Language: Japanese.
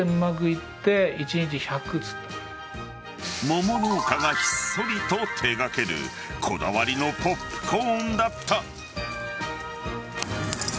桃農家がひっそりと手掛けるこだわりのポップコーンだった。